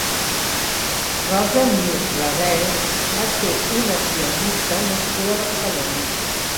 Rosa Mir Laverny va ser una pianista nascuda a Barcelona.